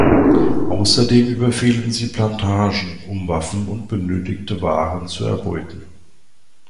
Außerdem überfielen sie Plantagen, um Waffen und benötigte Waren zu erbeuten.